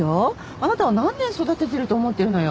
あなたを何年育ててると思ってるのよ？